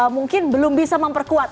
mungkin belum bisa memperkuat